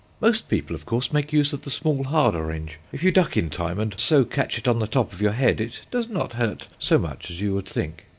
Most people, of course, make use of the small hard orange. If you duck in time, and so catch it on the top of your head, it does not hurt so much as you would think.